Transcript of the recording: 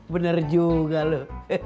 bener juga lu